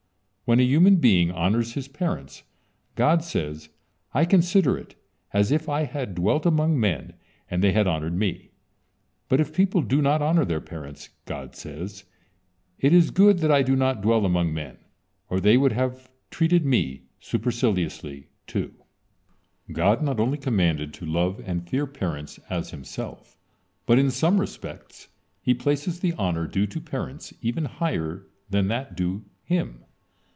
When a human being honors his parents, God says: "I consider it as if I had dwelled among men and they had honored Me," but if people do not honor their parents, God say: "It is good that I do not dwell among men, or they would have treated Me superciliously, too." God not only commanded to love and fear parents as Himself, but in some respects He places the honor due to parents even higher than that due Him.